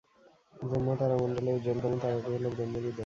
ব্রহ্মা তারামণ্ডলের উজ্জ্বলতম তারাটি হল ব্রহ্মহৃদয়।